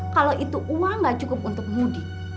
kalau itu uang gak cukup untuk mudik